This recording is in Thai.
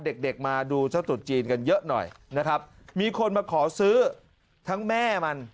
เด็กเด็กมาดูเจ้าตุดจีนกันเยอะหน่อยนะครับมีคนมาขอซื้อทั้งแม่มัน